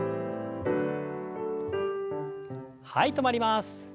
はい止まります。